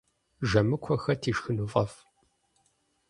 Жэмыкуэ хэт ишхыну фӏэфӏ?